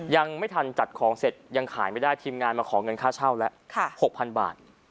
ยังไม่ทันจัดของเสร็จยังขายไม่ได้ทีมงานมาขอเงินค่าเช่าแล้ว๖๐๐๐บาท